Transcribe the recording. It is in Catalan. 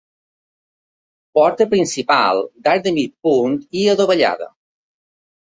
Porta principal d'arc de mig punt i adovellada.